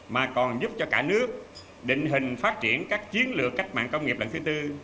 mà còn giúp cho cả nước định hình phát triển các chiến lược cách mạng công nghiệp lần thứ tư